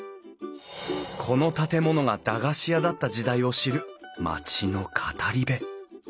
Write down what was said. この建物が駄菓子屋だった時代を知る町の語り部